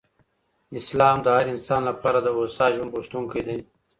اسلام د هر انسان لپاره د هوسا ژوند غوښتونکی دی.